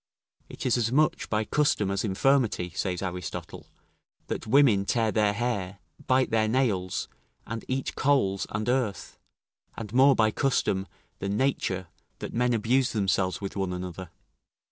It is as much by custom as infirmity, says Aristotle, that women tear their hair, bite their nails, and eat coals and earth, and more by custom than nature that men abuse themselves with one another.